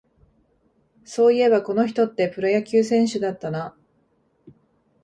そういえば、この人ってプロ野球選手だったな